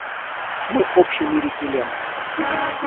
Мы общей лирики лента.